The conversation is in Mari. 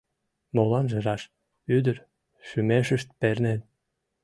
Моланже раш: ӱдыр шӱмешышт пернен.